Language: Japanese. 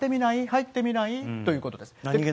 入ってみない？ということです。